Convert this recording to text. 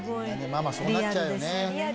ママそうなっちゃうよね。